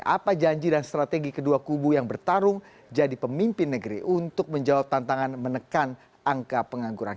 apa janji dan strategi kedua kubu yang bertarung jadi pemimpin negeri untuk menjawab tantangan menekan angka pengangguran